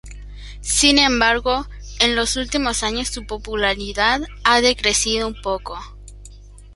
Sin embargo, en los últimos años su popularidad ha decrecido un poco.